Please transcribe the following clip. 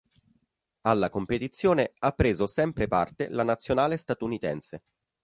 Alla competizione ha preso sempre parte la nazionale statunitense.